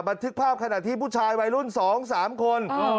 บันทึกภาพขณะที่ผู้ชายวัยรุ่น๒๓คน